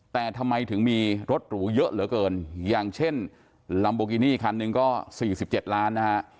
แต่ทำไมถึงมีรถหรูเยอะเหลือเกินอย่างเช่นลัมโบกินี่คันหนึ่งก็๔๗ล้านนะฮะ